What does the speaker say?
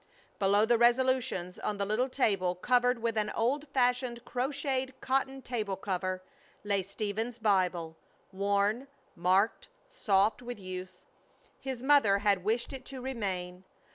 Below the resolutions, on the little table covered with an old fashioned crocheted cotton table cover, lay Stephen's Bible, worn, marked, soft with use. His mother had wished it to remain.